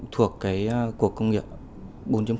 thuộc cuộc công nghệ bốn